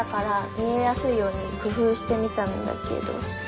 見えやすいように工夫してみたんだけど。